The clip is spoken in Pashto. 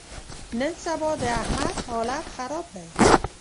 نن سبا د احمد حالت خراب دی.